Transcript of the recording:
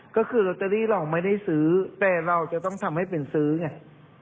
ก็คือลอตเตอรี่เราไม่ได้ซื้อแต่เราจะต้องทำให้เป็นซื้อไง